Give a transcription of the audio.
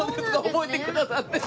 覚えてくださって。